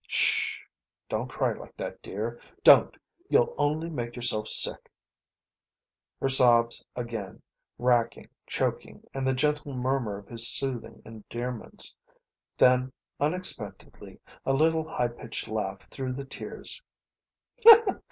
"Sh! Don't cry like that, dear. Don't! You'll only make yourself sick." Her sobs again, racking, choking, and the gentle murmur of his soothing endearments. Then, unexpectedly, a little, high pitched laugh through the tears.